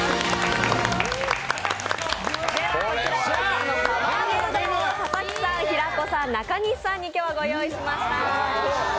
では、こちら戸隠の釜揚げうどんを佐々木さん、平子さん、中西さんに今日はご用意しました。